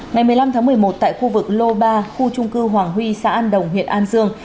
ngày một mươi năm tháng một mươi một tại khu vực lô ba khu trung cư hoàng huy xã an đồng huyện an dương